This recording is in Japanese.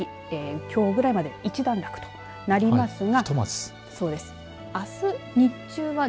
きょうぐらいまで一段落となりますが。